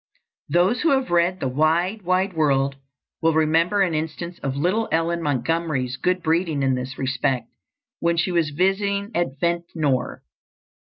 Those who have read "The Wide, Wide World" will remember an instance of little Ellen Montgomery's good breeding in this respect, when she was visiting at Ventnor.